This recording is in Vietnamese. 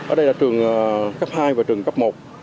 ở đây là trường cấp hai và trường cấp một